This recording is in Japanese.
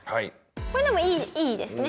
これでもいいですね。